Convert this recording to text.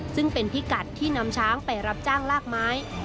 ซึ่งเป็นพิกัดที่นำช้างไปรับจ้างลากไม้